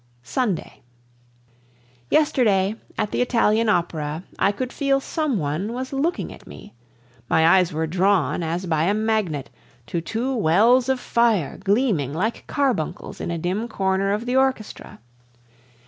Sunday. Yesterday, at the Italian Opera, I could feel some one was looking at me; my eyes were drawn, as by a magnet, to two wells of fire, gleaming like carbuncles in a dim corner of the orchestra.